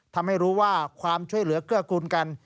ทำให้รู้ว่าความช่วยเหลือเกื้อกูลกัน